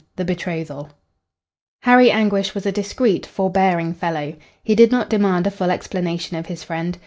THE BETROTHAL Harry Anguish was a discreet, forbearing fellow. He did not demand a full explanation of his friend.